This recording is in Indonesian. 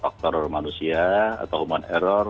faktor manusia atau human error